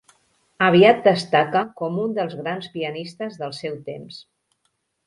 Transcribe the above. Aviat destaca com un dels grans pianistes del seu temps.